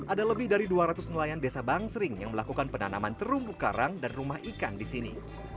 ada lebih dari dua ratus nelayan desa bangsering yang melakukan penanaman terumbu karang dan rumah ikan di sini